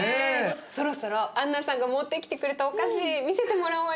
そろそろアンナさんが持ってきてくれたお菓子見せてもらおうよ。